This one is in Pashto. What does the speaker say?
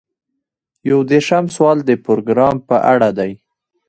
یو دېرشم سوال د پروګرام په اړه دی.